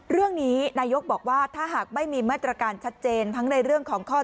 เรื่องนี้นายกบอกว่าถ้าหากไม่มีมาตรการชัดเจน